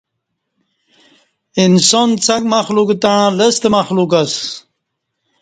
انسان څک مخلوق تݩع لستہ مخلوق اسہ